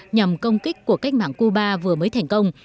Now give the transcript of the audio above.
nhằm công kích của cách mạng cuba vừa mới thành công